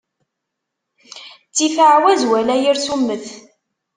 Ttif aɛwaz wala yir summet.